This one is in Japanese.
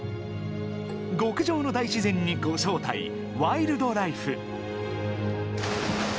極上の大自然にご招待「ワイルドライフ」。